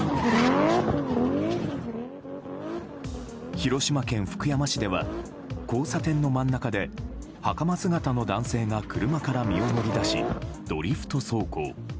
広島県福山市では交差点の真ん中ではかま姿の男性が車から身を乗り出しドリフト走行。